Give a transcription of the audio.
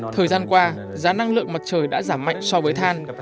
thời gian qua giá năng lượng mặt trời đã giảm mạnh so với than